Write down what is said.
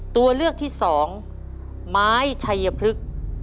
ตัวเลือกที่สองไม้ชัยพฤกษ์